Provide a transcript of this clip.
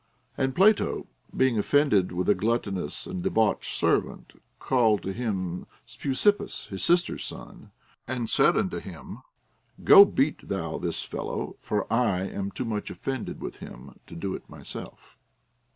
And Plato, being offended with a gluttonous and debauched servant, called to him Speusippus, his sister's son, and said unto him : Go beat thou this fellow ; for I am too much offended with him to do it myself.